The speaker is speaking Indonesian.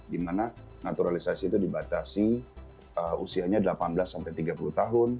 dimana naturalisasi itu dibatasi usianya delapan belas sampai tiga puluh tahun